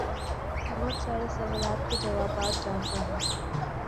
بہت سارے سوالات کے جوابات جانتا ہوں